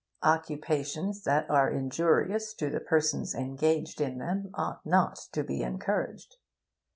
Occupations that are injurious to the persons engaged in them ought not to be encouraged.